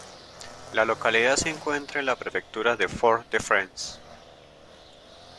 La localidad se encuentra en la prefectura de Fort-de-France.